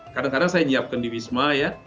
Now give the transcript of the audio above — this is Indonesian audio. kadang kadang saya menyiapkan di wisma ya